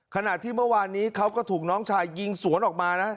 ขณะที่เมื่อวานนี้เขาก็ถูกน้องชายยิงสวนออกมานะ